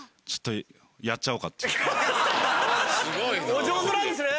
お上手なんですね。